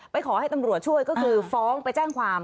ขอให้ตำรวจช่วยก็คือฟ้องไปแจ้งความ